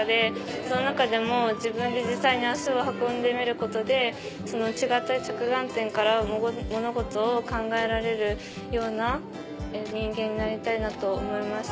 その中でも自分で実際に足を運んでみることでその違った着眼点から物事を考えられるような人間になりたいなと思いました。